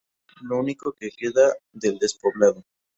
Lo único que queda del despoblado.